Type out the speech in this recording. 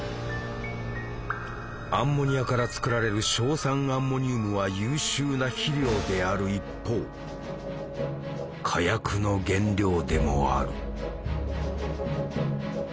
アンモニアから作られる硝酸アンモニウムは優秀な肥料である一方火薬の原料でもある。